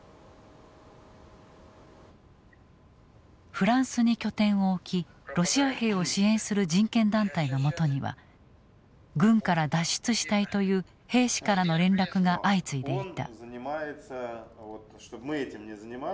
フランスに拠点を置きロシア兵を支援する人権団体のもとには軍から脱出したいという兵士からの連絡が相次いでいた。